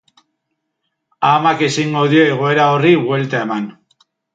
Amak ezingo dio egoera horri buelta eman.